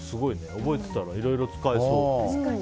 覚えてたらいろいろ使えそう。